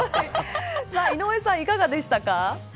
井上さん、いかがでしたか。